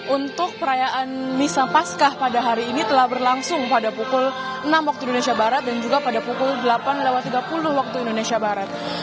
untuk perayaan misa paskah pada hari ini telah berlangsung pada pukul enam waktu indonesia barat dan juga pada pukul delapan tiga puluh waktu indonesia barat